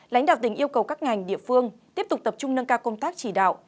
lãnh đạo tỉnh yêu cầu các ngành địa phương tiếp tục tập trung nâng cao công tác chỉ đạo